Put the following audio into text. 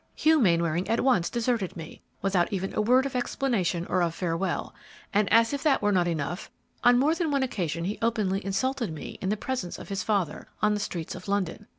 Hugh Mainwaring at once deserted me, without even a word of explanation or of farewell, and, as if that were not enough, on more than one occasion he openly insulted me in the presence of his father, on the streets of London.